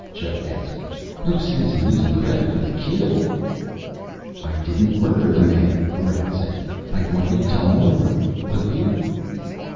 Joe asked. "No sense in losing credit for the kill." "I didn't murder the man," Barrent said. "I want you to tell Moera. Will you?"